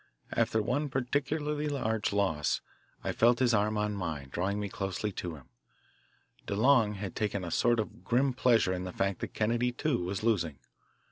After one particularly large loss I felt his arm on mine, drawing me closely to him. DeLong had taken a sort of grim pleasure in the fact that Kennedy, too, was losing.